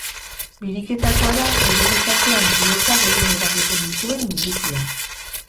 Biriketakoa da gure gizartean heriotza gehien eragiten dituen minbizia.